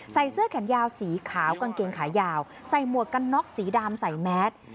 เสื้อแขนยาวสีขาวกางเกงขายาวใส่หมวกกันน็อกสีดำใส่แมส